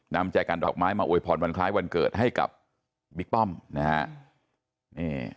นำใจกันดอกไม้มาอวยพรวันคล้ายวันเกิดให้กับบิ๊กป้อมนะฮะ